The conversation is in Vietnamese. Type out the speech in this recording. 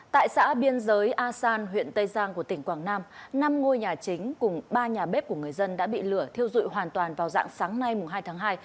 tại xã biên giới a san huyện tây giang của tỉnh quảng nam năm ngôi nhà chính cùng ba nhà bếp của người dân đã bị lửa thiêu dụi hoàn toàn vào dạng sáng nay hai tháng hai